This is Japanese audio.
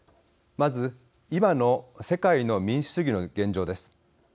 まず、今の世界の民主主義の現状です。